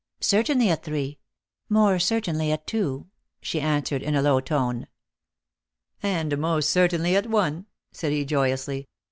" Certainly at three ; more certainly at two," she answered in a low tone. " And most certainly at one," said he joyously.